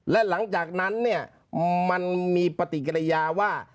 และหลังจากนั้นเนี่ยมันมีปฏิกิริยาว่า